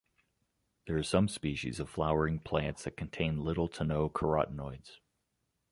There are some species of flowering plants that contain little to no carotenoids.